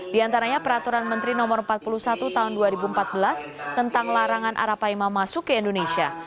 di antaranya peraturan menteri no empat puluh satu tahun dua ribu empat belas tentang larangan arapaima masuk ke indonesia